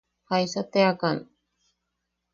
¿Jaisa teakan?